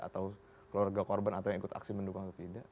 atau keluarga korban atau yang ikut aksi mendukung atau tidak